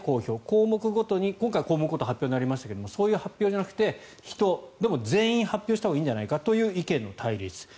項目ごとに今回項目ごとに発表となりましたがそういう発表じゃなくて、人でも全員発表したほうがいいんじゃないかという意見の対立。